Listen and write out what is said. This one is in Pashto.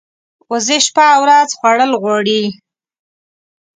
وزې شپه او ورځ خوړل غواړي